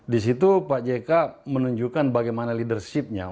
di situ pak jk menunjukkan bagaimana leadership nya